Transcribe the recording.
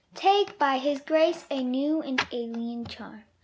Take by his grace a new and alien charm.